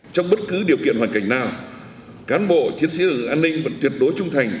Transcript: trong bất cứ điều kiện hoàn cảnh nào cán bộ chiến sĩ lực lượng an ninh vẫn tuyệt đối trung thành